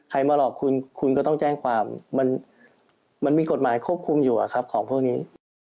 มาหลอกคุณคุณก็ต้องแจ้งความมันมีกฎหมายควบคุมอยู่ของพวกนี้